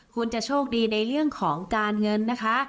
คุณจะโชคดีในเรื่องของการเงินนะคะ